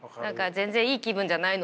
全然いい気分じゃないので。